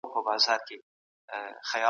زمري پرون یو نوی نرمغالی واخیستی او ویې کتی.